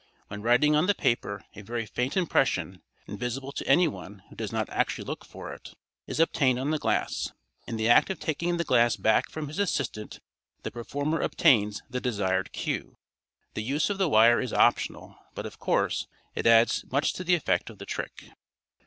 When writing on the paper a very faint impression, invisible to anyone who does not actually look for it, is obtained on the glass. In the act of taking the glass back from his assistant the performer obtains the desired cue. The use of the wire is optional, but, of course, it adds much to the effect of the trick.